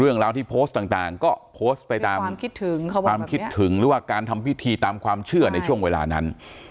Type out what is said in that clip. เรื่องราวที่โพสต์ต่างก็โพสต์ไปตามความคิดถึงหรือว่าการทำพิธีตามความเชื่อในช่วงเวลานั้น